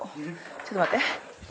ちょっと待って。